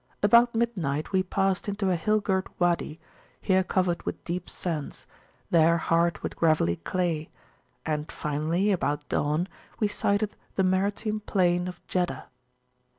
About midnight we passed into a hill girt Wady, here covered with deep sands, there hard with [p.261] gravelly clay: and, finally, about dawn, we sighted the maritime plain of Jeddah.